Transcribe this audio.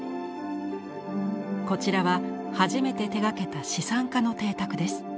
こちらは初めて手がけた資産家の邸宅です。